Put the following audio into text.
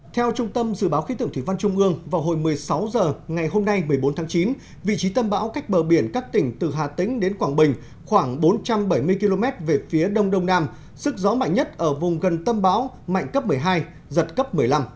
theo trung tâm dự báo khí tượng thủy văn trung ương vào hồi một mươi sáu h ngày hôm nay một mươi bốn tháng chín vị trí tâm bão cách bờ biển các tỉnh từ hà tĩnh đến quảng bình khoảng bốn trăm bảy mươi km về phía đông đông nam sức gió mạnh nhất ở vùng gần tâm bão mạnh cấp một mươi hai giật cấp một mươi năm